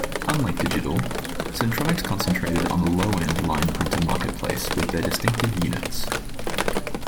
Unlike Digital, Centronics concentrated on the low-end line printer marketplace with their distinctive units.